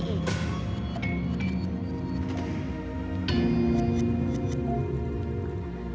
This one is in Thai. จนไม่มีใครกล้ามาที่นี่อีก